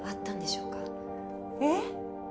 えっ？